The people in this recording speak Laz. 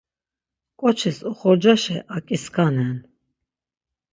ǩoçis oxorcaşe aǩisǩanen.